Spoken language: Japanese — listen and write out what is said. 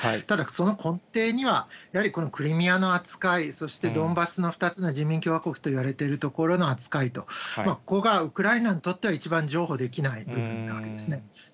ただ、その根底には、やはりクリミアの扱い、そして、ドンバスの２つの人民共和国といわれているところの扱いと、ここがウクライナにとっては一番譲歩できない部分なわけですね。